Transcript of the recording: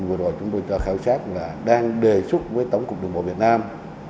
vừa rồi chúng tôi cho khảo sát là đang đề xuất với tổng cục đường bộ việt nam